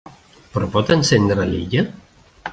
Però pot encendre l'illa?